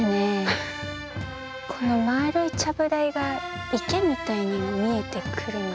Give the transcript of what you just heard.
このまるいちゃぶ台が池みたいにも見えてくるな。